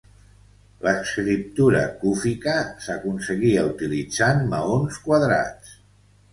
L'escriptura cúfica s'aconseguia utilitzant maons quadrats.